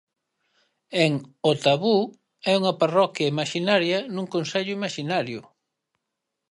En 'O tabú' é unha parroquia imaxinaria nun concello imaxinario.